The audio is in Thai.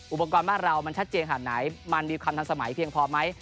อุปกรณ์บ้านเรามันชัดเจนขนาดไหนมันมีความทันสมัยเพียงพอไหม